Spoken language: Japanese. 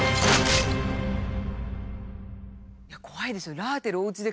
いや怖いですよ。